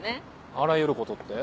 あらゆることって？